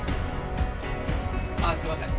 ああすいません。